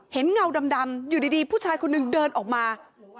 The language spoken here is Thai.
เงาดำอยู่ดีผู้ชายคนหนึ่งเดินออกมา